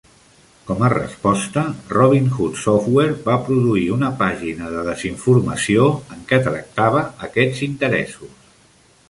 Com a resposta, Robin Hood Software va produir una "pàgina de desinformació" en què tractava aquests interessos.